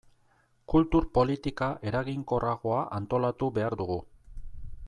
Kultur politika eraginkorragoa antolatu behar dugu.